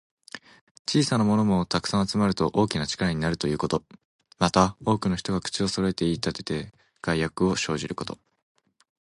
小さなものも、たくさん集まると大きな力になるということ。また、多くの人が口をそろえて言いたてて、害悪を生じること。